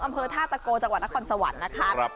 อำเภอท่าตะโกจังหวัดนครสวรรค์นะคะ